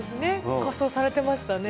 仮装されてましたね。